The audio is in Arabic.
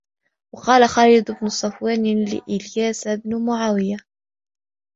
وَقَالَ خَالِدُ بْنُ صَفْوَانَ لِإِيَاسِ بْنِ مُعَاوِيَةَ